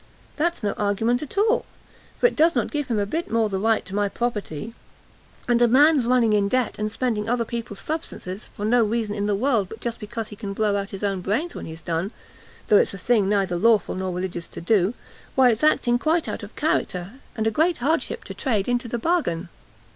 that's no argument at all, for it does not give him a bit the more right to my property; and a man's running in debt, and spending other people's substances, for no reason in the world but just because he can blow out his own brains when he's done, though it's a thing neither lawful nor religious to do, why it's acting quite out of character, and a great hardship to trade into the bargain."